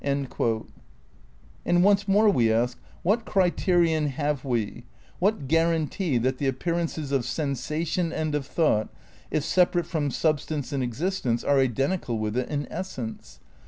..."^ And once more we ask : what criterion have we, what guarantee that the appearances of sensation and of thought, if separate from substance in existence, are identical with it in essence?